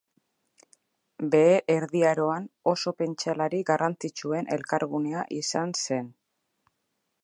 Behe Erdi Aroan oso pentsalari garrantzitsuen elkargunea izan zen.